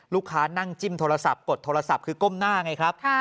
นั่งจิ้มโทรศัพท์กดโทรศัพท์คือก้มหน้าไงครับ